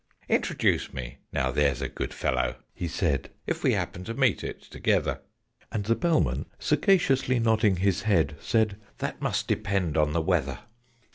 "Introduce me, now there's a good fellow," he said, "If we happen to meet it together!" And the Bellman, sagaciously nodding his head, Said "That must depend on the weather."